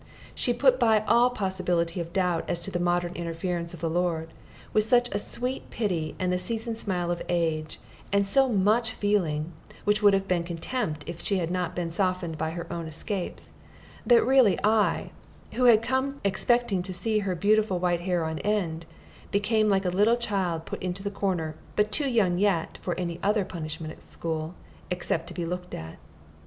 She put by all possibility of doubt as to the modern interference of the Lord, with such a sweet pity and the seasoned smile of age, and so much feeling (which would have been contempt if she had not been softened by her own escapes), that really I, who had come expecting to set her beautiful white hair on end, became like a little child put into the corner, but too young yet for any other punishment at school, except to be looked at.